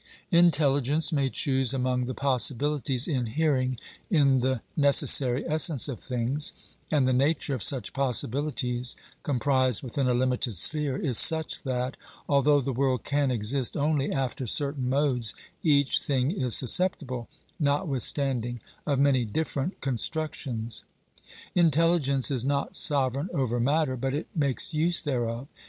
Intelligence may choose among the possibilities inhering in the neces sary essence of things, and the nature of such possibilities, comprised within a limited sphere, is such that, although the world can exist only after certain modes, each thing is susceptible, notwithstanding, of many dififerent construc tions. Intelligence is not sovereign over matter, but it makes use thereof.